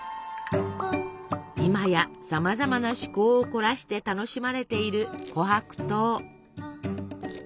今やさまざまな趣向を凝らして楽しまれている琥珀糖。